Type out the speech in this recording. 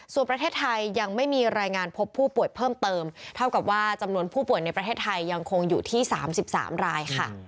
ส่วนประเทศไทยยังไม่มีรายงานพบผู้ป่วยเพิ่มเติมเท่ากับว่าจำนวนผู้ป่วยในประเทศไทยยังคงอยู่ที่๓๓รายค่ะ